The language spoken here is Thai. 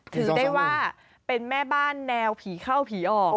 ถือได้ว่าเป็นแม่บ้านแนวผีเข้าผีออก